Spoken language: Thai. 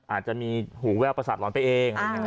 อาจจะมีหูแว่วประสาทร้อนไปเอง